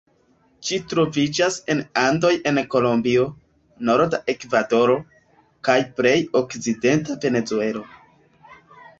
Ĝi troviĝas en Andoj en Kolombio, norda Ekvadoro, kaj plej okcidenta Venezuelo.